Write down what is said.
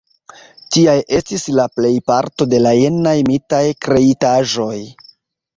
Tiaj estis la plejparto de la jenaj mitaj kreitaĵoj.